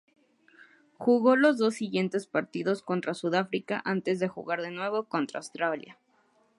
Jugó los dos siguientes partidos contra Sudáfrica antes de jugar de nuevo contra Australia.